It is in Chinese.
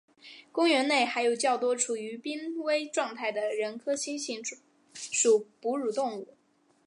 公园内还有较多处于濒危状态的人科猩猩属哺乳动物。